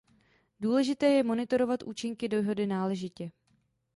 Důležité je monitorovat účinky dohody náležitě.